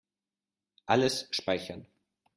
Alles speichern.